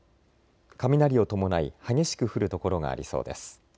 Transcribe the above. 雷を伴い激しく降る所がありそうです。